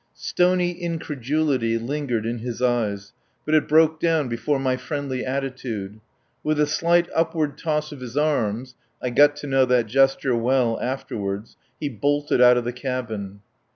Stony incredulity lingered in his eyes: but it broke down before my friendly attitude. With a slight upward toss of his arms (I got to know that gesture well afterward) he bolted out of the cabin.